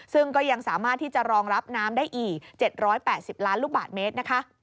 ซึ่งก็ยังสามารถที่จะรองรับน้ำได้อีก๗๘๐ล้านลูกบาทเมตรนะคะ